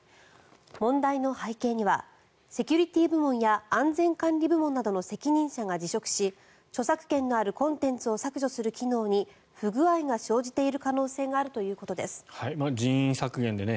問題の背景にはセキュリティー部門や安全管理部門などの責任者が辞職し著作権のあるコンテンツを削除する機能に不具合が生じている可能性があるということです。